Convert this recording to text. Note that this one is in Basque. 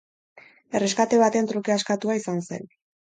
Erreskate baten truke askatua izan zen.